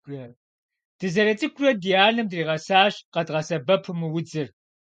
Дызэрыцӏыкӏурэ ди анэм дригъэсащ къэдгъэсэбэпу мы удзыр.